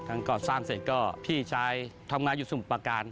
ก่อสร้างเสร็จก็พี่ชายทำงานอยู่สมุทรประการ